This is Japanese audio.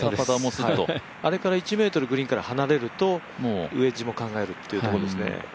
あれから１ｍグリーンから離れると、ウェッジも考えるところですね。